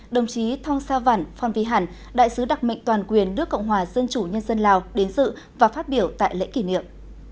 đồng chí thong sa văn phong vy hẳn đại sứ đặc mệnh toàn quyền nước cộng hòa dân chủ nhân dân lào đến dự và phát biểu tại lễ kỷ niệm